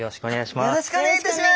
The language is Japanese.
よろしくお願いします。